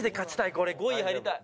これ５位入りたい。